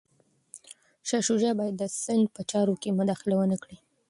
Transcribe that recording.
شاه شجاع باید د سند په چارو کي مداخله ونه کړي.